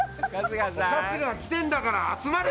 春日が来てるんだから集まれ！